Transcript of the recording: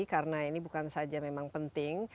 karena ini bukan saja memang penting